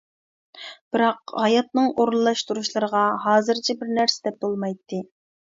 بىراق، ھاياتنىڭ ئورۇنلاشتۇرۇشلىرىغا ھازىرچە بىر نەرسە دەپ بولمايتتى.